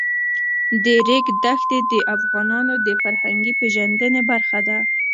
د ریګ دښتې د افغانانو د فرهنګي پیژندنې برخه ده.